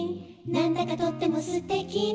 「何だかとってもすてきね」